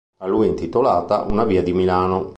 A lui è intitolata una via di Milano.